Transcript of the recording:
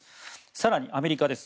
更に、アメリカです。